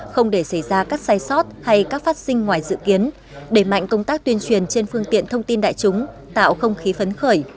không để xảy ra các sai sót hay các phát sinh ngoài dự kiến đẩy mạnh công tác tuyên truyền trên phương tiện thông tin đại chúng tạo không khí phấn khởi